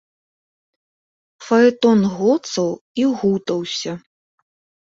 Фаэтон гоцаў і гутаўся.